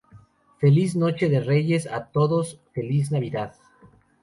feliz noche de Reyes a todos. feliz Navidad.